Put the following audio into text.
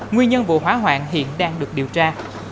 nguyên nhân vụ hỏa hoạn hiện đang được điều tra